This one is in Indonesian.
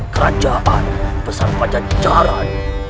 kerajaan besar pajajaran